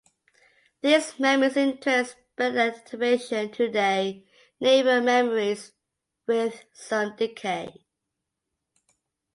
These memories in turn spread activation to their neighbor memories, with some decay.